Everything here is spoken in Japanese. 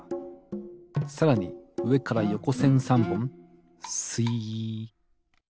さらにうえからよこせん３ぼんすいっ。